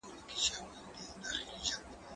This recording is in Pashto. زه کولای سم دا کار وکړم؟!